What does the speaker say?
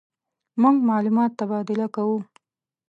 مونږ معلومات تبادله کوو.